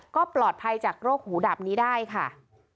ก็ปลอดภัยจากโรคหูดับนี้ได้ค่ะ